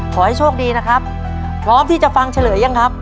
ขอให้โชคดีนะครับพร้อมที่จะฟังเฉลยยังครับ